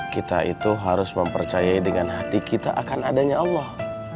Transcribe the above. kita itu harus mempercayai dengan hati kita akan adanya allah